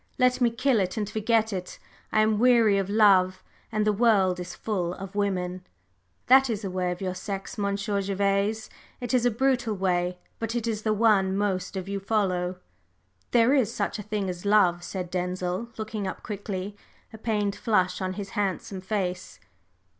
Let me kill it and forget it; I am aweary of love, and the world is full of women!' That is the way of your sex, Monsieur Gervase; it is a brutal way, but it is the one most of you follow." "There is such a thing as love!" said Denzil, looking up quickly, a pained flush on his handsome face.